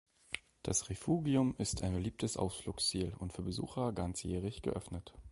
Das Refugium ist ein beliebtes Ausflugsziel und für Besucher ganzjährig geöffnet.